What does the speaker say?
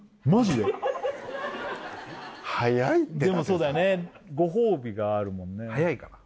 でもそうだよねご褒美があるもんね早いかな？